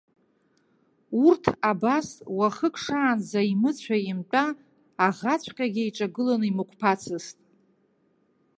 Урҭ абас, уахык шаанӡа имыцәа-имтәа, аӷаҵәҟьагьы иҿагыланы имықәԥацызт.